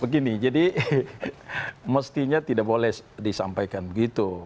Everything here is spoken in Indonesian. begini jadi mestinya tidak boleh disampaikan begitu